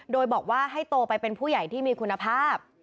โดยบอกว่าให้โตไปเป็นผู้ใหญ่ที่มีคุณภาพ